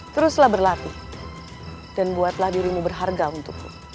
teruslah berlatih dan buatlah dirimu berharga untukmu